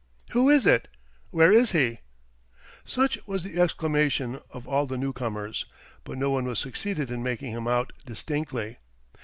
"Who is it? Where is he?" Such was the exclamation of all the new comers, but no one succeeded in making him out distinctly.